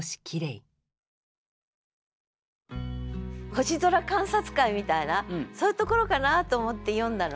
星空観察会みたいなそういうところかなと思って読んだのね。